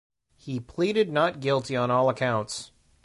He pleaded not guilty on all counts.